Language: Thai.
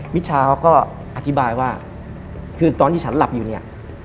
มิชาเขาก็อธิบายว่าคือตอนที่ฉันหลับอยู่เนี่ย